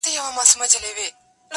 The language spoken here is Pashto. دریم پوښتنه د سرکار او د جهاد کوله٫